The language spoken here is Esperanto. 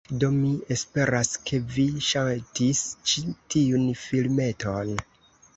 Do, mi esperas, ke vi ŝatis ĉi tiun filmeton